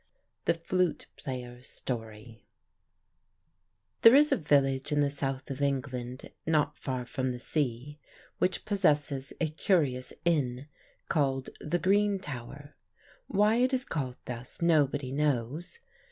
THE FLUTE PLAYER'S STORY There is a village in the South of England not far from the sea, which possesses a curious inn called "The Green Tower." Why it is called thus, nobody knows.